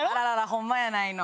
ホンマやないの。